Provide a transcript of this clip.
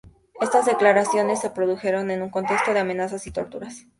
Estas declaraciones se produjeron en un contexto de amenazas y torturas.